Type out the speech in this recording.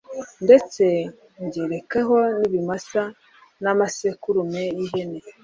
ndetse ngerekeho n’ibimasa n’amasekurume y’ihene